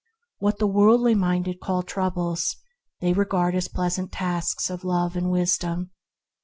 What the worldly minded call troubles they regard as pleasant tasks of Love and Wisdom.